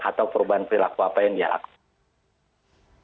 atau perubahan perilaku apa yang dia lakukan